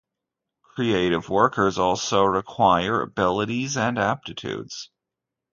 Creative workers also require abilities and aptitudes.